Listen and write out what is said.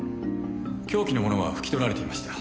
凶器のものは拭き取られていました。